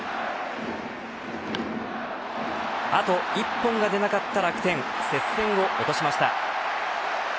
あと一本が出なかった楽天接戦を落としました。